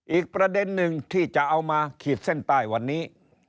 อีกประเด็นหนึ่งที่จะเอามาขีดเส้นใต้วันนี้